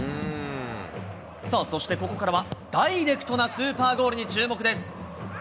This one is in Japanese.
さあ、そしてここからはダイレクトなスーパーゴールに注目です。